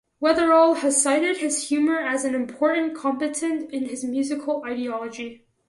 Weatherall has cited humour as an important component in his musical ideology.